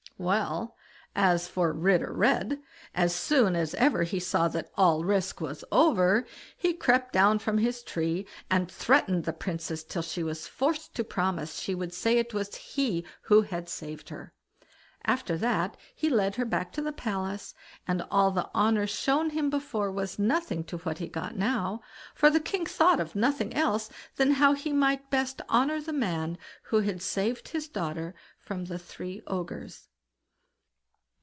Well! as for Ritter Red, as soon as ever he saw that all risk was over, he crept down from his tree, and threatened the Princess till she was forced to promise she would say it was he who had saved her. After that, he led her back to the palace, and all the honour shown him before was nothing to what he got now, for the king thought of nothing else than how he might best honour the man who had saved his daughter from the three Ogres.